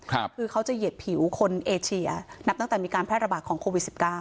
คือเขาจะเหยียดผิวคนเอเชียนับตั้งแต่มีการแพร่ระบาดของโควิด๑๙